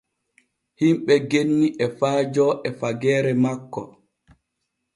Himɓe genni e faajo e fageere makko.